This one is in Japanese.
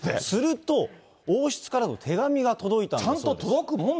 すると、王室からの手紙が届いたんです。